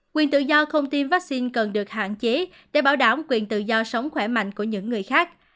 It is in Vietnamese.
quyền tự do không tiêm vaccine cần được hạn chế để bảo đảm quyền tự do sống khỏe mạnh của những người khác